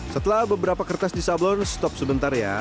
setelah beberapa kertas disablon stop sebentar ya